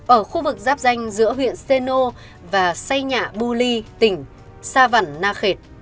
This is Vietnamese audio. ở khu vực giáp danh giữa huyện xê nô và xây nhạ bu ly tỉnh sa vẩn na khệt